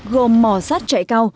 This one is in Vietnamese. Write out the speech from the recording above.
gồm mỏ sát chạy cao